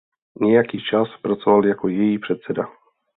Nějaký čas pracoval jako její předseda.